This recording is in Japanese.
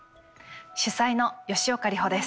主宰の吉岡里帆です。